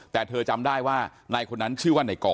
แต่เธอจำได้ว่านายคนนั้นชื่อว่านายก่อ